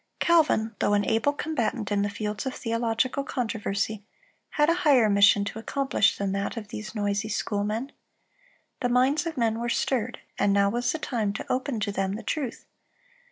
Calvin, though an able combatant in the fields of theological controversy, had a higher mission to accomplish than that of these noisy schoolmen. The minds of men were stirred, and now was the time to open to them the truth.